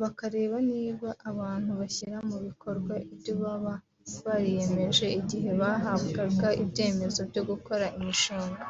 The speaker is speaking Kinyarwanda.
bakareba niba abantu bashyira mu bikorwa ibyo baba bariyemeje igihe bahabwaga ibyemezo byo gukora imishinga